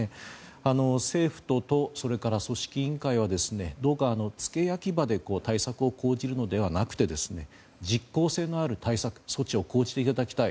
政府と都、それから組織委員会はどうか付け焼き刃で対策を講じるのではなく実効性のある対策・措置を講じていただきたい。